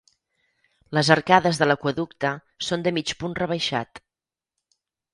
Les arcades de l'aqüeducte són de mig punt rebaixat.